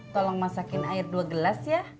tolong masakin air dua gelas ya